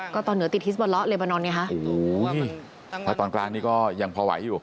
ก็ตอนเหนือติดฮิสบอลเลบานอนไงค่ะถ้าตอนกลางนี่ก็ยังพอไหวอยู่